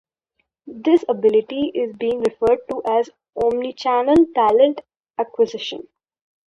This ability is being referred to as Omnichannel Talent Acquisition.